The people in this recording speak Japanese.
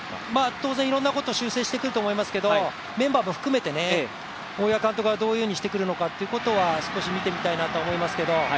当然、いろんなことを修正してくると思いますけどメンバーも含めて、大岩監督がどのようにしてくるのかというのは少し見てみたいなとは思いますが。